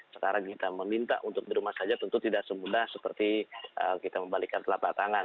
sekarang kita meminta untuk di rumah saja tentu tidak semudah seperti kita membalikan telapak tangan